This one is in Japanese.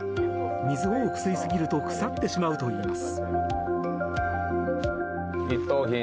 水を多く吸いすぎると腐ってしまうといいます。